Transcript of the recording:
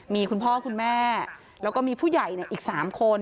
มีคุณพ่อคุณแม่แล้วก็มีผู้ใหญ่อีก๓คน